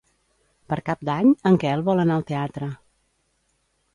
Per Cap d'Any en Quel vol anar al teatre.